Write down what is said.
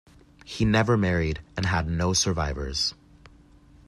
He never married and had no survivors.